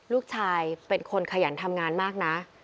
ลูกชายเป็นคนขยันทำงานมากนะ